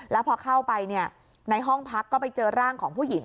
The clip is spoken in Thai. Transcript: แล้วพอเข้าไปในห้องพักก็ไปเจอร่างของผู้หญิง